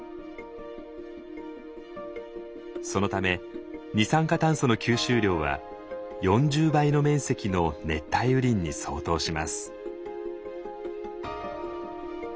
そのため二酸化炭素の吸収量は４０倍の面積の熱帯雨林に相当します。